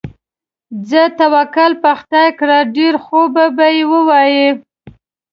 ځه توکل په خدای کړه، ډېر خوبه یې ووایې.